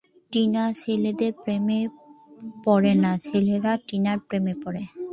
টিনা ছেলেদের প্রেমে পড়ে না, ছেলেরা টিনার প্রেমে পড়ে।